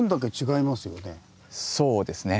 そうですね。